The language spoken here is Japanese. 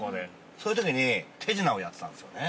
そういうときに手品をやってたんですよね。